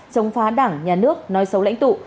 chống phá đảng nhà nước nói xấu lãnh tụ